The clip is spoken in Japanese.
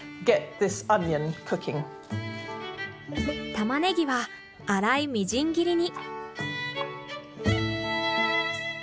タマネギは粗いみじん切りに。